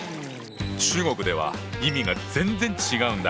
中国では意味が全然違うんだ。